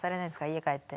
家帰って。